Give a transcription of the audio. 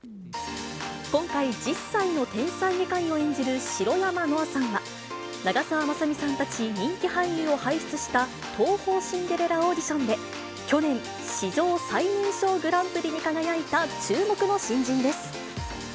今回、１０歳の天才外科医を演じる白山乃愛さんは、長澤まさみさんたち人気俳優を輩出した東宝シンデレラオーディションで、去年、史上最年少グランプリに輝いた注目の新人です。